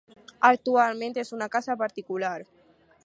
Actualment és una casa particular.